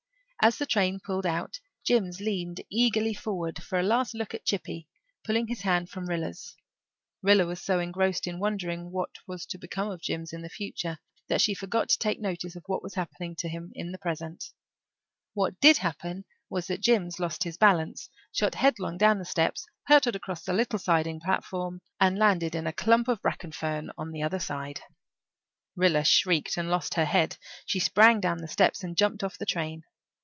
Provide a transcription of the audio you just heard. As the train pulled out Jims leaned eagerly forward for a last look at Chippy, pulling his hand from Rilla's. Rilla was so engrossed in wondering what was to become of Jims in the future that she forgot to take notice of what was happening to him in the present. What did happen was that Jims lost his balance, shot headlong down the steps, hurtled across the little siding platform, and landed in a clump of bracken fern on the other side. Rilla shrieked and lost her head. She sprang down the steps and jumped off the train.